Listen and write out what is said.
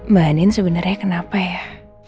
mbak andin sebenernya kenapa ya